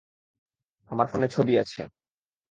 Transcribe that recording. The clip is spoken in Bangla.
আমার ফোনে ছবি আছে।